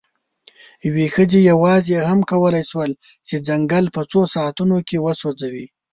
یوې ښځې یواځې هم کولی شول، چې ځنګل په څو ساعتونو کې وسوځوي.